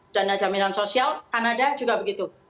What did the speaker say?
dana jaminan sosial kanada juga begitu